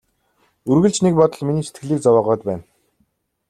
Үргэлж нэг бодол миний сэтгэлийг зовоогоод байна.